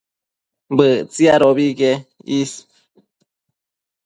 Bëtsiadobi que is